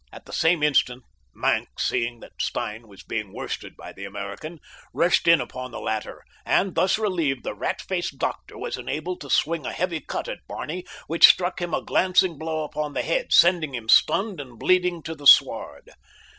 At the same instant Maenck, seeing that Stein was being worsted by the American, rushed in upon the latter, and thus relieved, the rat faced doctor was enabled to swing a heavy cut at Barney which struck him a glancing blow upon the head, sending him stunned and bleeding to the sward.